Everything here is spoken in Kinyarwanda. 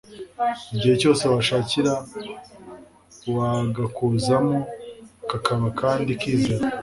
igihe cyose washakira wagakuzamo kakaba kandi kizewe